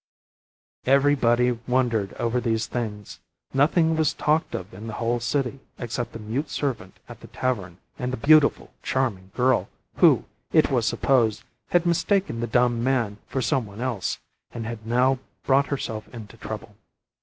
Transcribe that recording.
Every body wondered over these things. Nothing was talked of in the whole city, except the mute servant at the tavern and the beautiful, charming girl, who, it was supposed, had mistaken the dumb man for some one else, and had now brought herself into trouble.